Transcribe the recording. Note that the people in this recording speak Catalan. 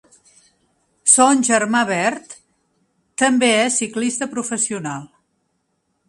Son germà Bert també és ciclista professional.